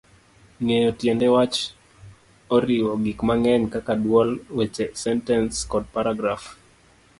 Ng'eyo tiend wach oriwo gik mang'eny kaka dwol, weche, sentens, kod paragraf.